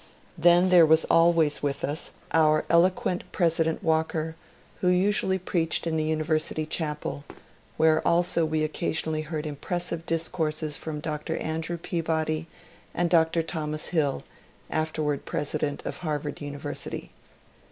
Then there was always with us our eloquent President 170 MONCURE DANIEL CONWAY Walker, who usoally preached in the University Chapel, where also we occasionally heard impressive discourses from Dr. Andrew Peabody and Dr. Thomas Hill (afterward presi dent of Harvard University).